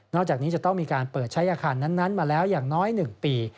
จากนี้จะต้องมีการเปิดใช้อาคารนั้นมาแล้วอย่างน้อย๑ปี